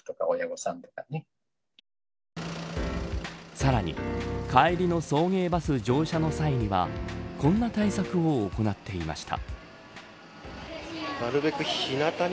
さらに帰りの送迎バス乗車の際にはこんな対策を行っていました。